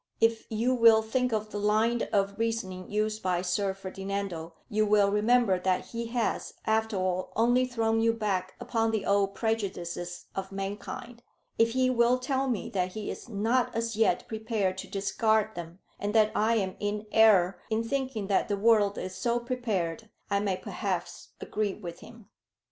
If you will think of the line of reasoning used by Sir Ferdinando, you will remember that he has, after all, only thrown you back upon the old prejudices of mankind. If he will tell me that he is not as yet prepared to discard them, and that I am in error in thinking that the world is so prepared, I may perhaps agree with him.